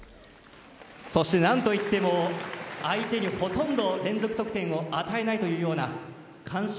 そして何といっても相手にほとんど連続得点を与えないという完勝。